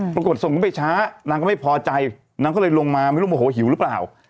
ปรากฏว่าส่งคุณไปช้ะน้ำก็ไม่พอใจน้ำก็เลยลงมาไม่รู้หลวงโถ่หิวรึเปล่า